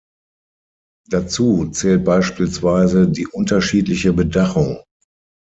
Dazu zählt beispielsweise die unterschiedliche Bedachung.